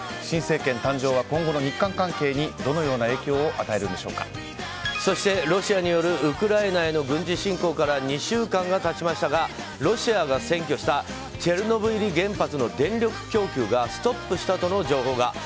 新政権誕生は今後の日韓関係にどのような影響をそして、ロシアによるウクライナへの軍事侵攻から２週間が経ちましたがロシアが占拠したチェルノブイリ原発の電力供給がストップしたとの情報が。